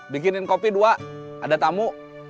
bikinin kopi dua ada tamu